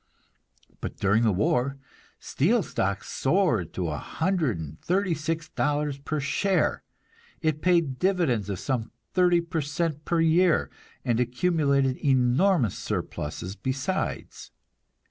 But during the war, steel stock soared to a hundred and thirty six dollars per share; it paid dividends of some thirty per cent per year, and accumulated enormous surpluses besides.